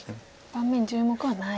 盤面１０目はない。